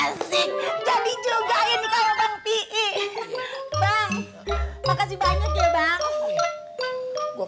bang makasih banyak ya bang